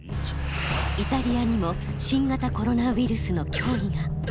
イタリアにも新型コロナウイルスの脅威が。